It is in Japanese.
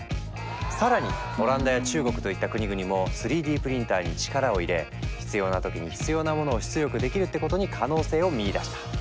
更にオランダや中国といった国々も３Ｄプリンターに力を入れ「必要な時に必要なモノを出力できる」ってことに可能性を見いだした。